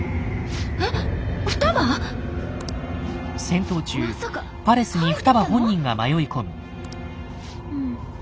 戦闘中パレスに双葉本人が迷い込む。